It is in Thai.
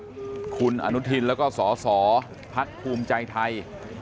ตรงนี้นะครับคุณอนุทินแล้วก็สอสอพักภูมิใจไทย